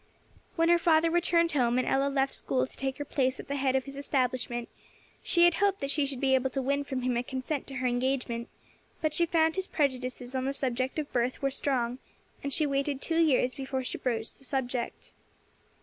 When her father returned home, and Ella left school to take her place at the head of his establishment, she had hoped that she should be able to win from him a consent to her engagement; but she found his prejudices on the subject of birth were strong, and she waited two years before she broached the subject.